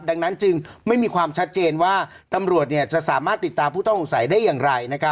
ดังนั้นจึงไม่มีความชัดเจนว่าตำรวจจะสามารถติดตามผู้ต้องสงสัยได้อย่างไร